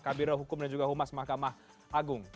kabiro hukum dan juga humas mahkamah agung